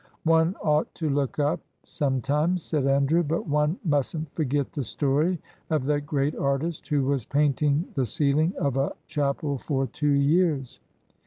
"One ought to look up sometimes," said Andrew; "but one mustn't forget the story of that great artist who was painting the ceiling of a chapel for two years.